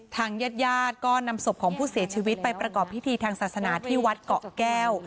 ทางญาติญาติก็นำศพของผู้เสียชีวิตไปประกอบพิธีทางศาสนาที่วัดเกาะแก้ว